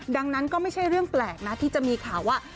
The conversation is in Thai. ดังนั้นก็ไม่ใช่เรื่องแปลกนะที่จะมีข่าวว่า